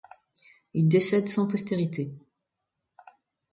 Il décède sans postérité.